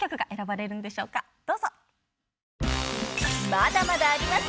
［まだまだあります